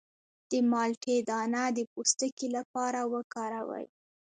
د مالټې دانه د پوستکي لپاره وکاروئ